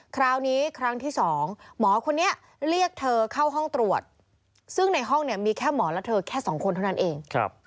ครั้งนี้ครั้งที่๒หมอคนนี้เรียกเธอเข้าห้องตรวจซึ่งในห้องเนี่ยมีแค่หมอและเธอแค่๒คนเท่านั้นเอง